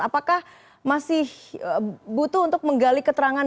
apakah masih butuh untuk menggali keterangan